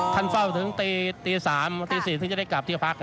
ท่านเฝ้าถึงตี๓ตี๔ถึงจะได้กลับที่พัก